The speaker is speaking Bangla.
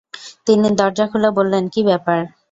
তিনি দরজা খুলে বললেন, কি ব্যাপার?